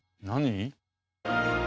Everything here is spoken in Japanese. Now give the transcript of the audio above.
何？